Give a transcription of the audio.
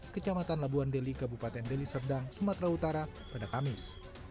kecamatan labuan deli kabupaten deli serdang sumatera utara pada kamis